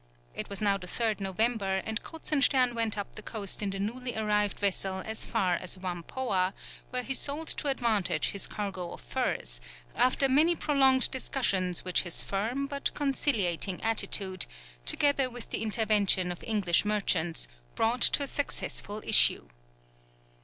It was now the 3rd November, and Kruzenstern went up the coast in the newly arrived vessel as far as Whampoa, where he sold to advantage his cargo of furs, after many prolonged discussions which his firm but conciliating attitude, together with the intervention of English merchants, brought to a successful issue.